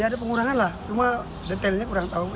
ya ada pengurangan lah cuma detailnya kurang tahu